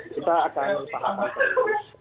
kita akan sahakan terus